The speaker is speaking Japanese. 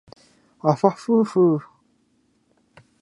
あはふうふ